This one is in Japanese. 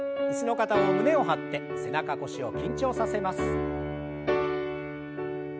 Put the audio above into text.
椅子の方も胸を張って背中腰を緊張させます。